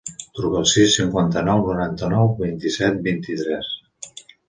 Truca al sis, cinquanta-nou, noranta-nou, vint-i-set, vint-i-tres.